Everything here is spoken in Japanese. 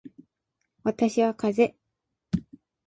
私はかぜ